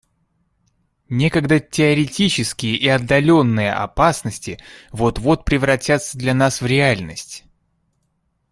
Некогда теоретические и отдаленные опасности вот-вот превратятся для нас в реальность.